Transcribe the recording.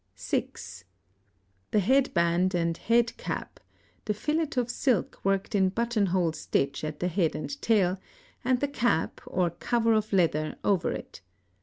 (6) The head band and head cap, the fillet of silk worked in buttonhole stitch at the head and tail, and the cap or cover of leather over it.